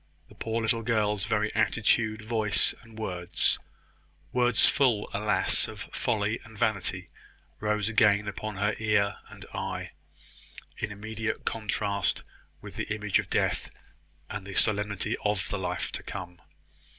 The poor little girl's very attitude, voice, and words words full, alas! of folly and vanity rose again upon her eye and ear, in immediate contrast with the image of death, and the solemnity of the life to come.